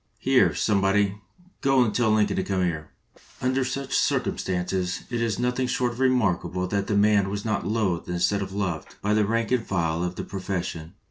"Here, somebody, go and tell Lincoln to come here." Under such circumstances it is nothing short of remarkable that the man was not loathed instead of loved by the rank and file of the pro fession.